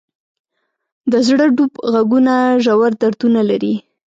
د زړه ډوب ږغونه ژور دردونه لري.